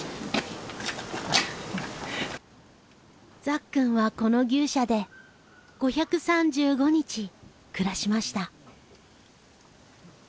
ザッくんはこの牛舎で５３５日暮らしました。